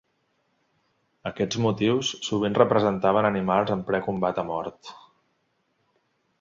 Aquests motius sovint representaven animals en ple combat a mort.